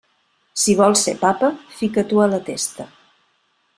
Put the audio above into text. Si vols ser papa, fica-t'ho a la testa.